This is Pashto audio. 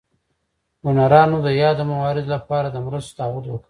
ډونرانو د یادو مواردو لپاره د مرستو تعهد وکړ.